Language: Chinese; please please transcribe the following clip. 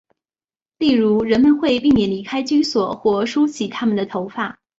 例如人们会避免离开居所或梳洗他们的头发。